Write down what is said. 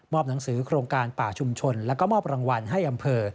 หนังสือโครงการป่าชุมชนแล้วก็มอบรางวัลให้อำเภอ